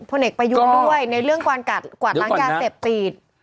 พลเอกปายุนด้วยในเรื่องกวาดล้างยาเสพตีด